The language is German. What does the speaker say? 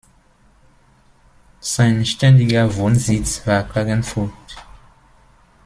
Sein ständiger Wohnsitz war Klagenfurt.